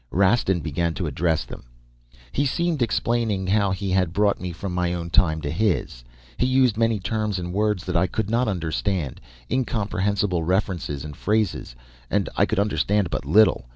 Rastin began to address them. "He seemed explaining how he had brought me from my own time to his. He used many terms and words that I could not understand, incomprehensible references and phrases, and I could understand but little.